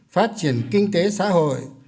phát triển kinh tế xã hội